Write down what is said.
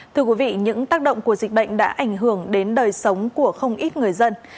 thưa quý vị những tác động của dịch bệnh đã ảnh hưởng đến đời sống của không ít người dân